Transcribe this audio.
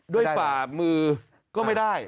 ด้วยปากมือก็ไม่ได้